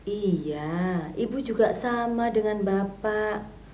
iya ibu juga sama dengan bapak